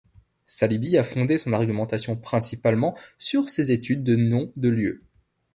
Salibi a fondé son argumentation principalement sur ses études de noms de lieux.